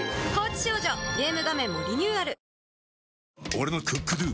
俺の「ＣｏｏｋＤｏ」！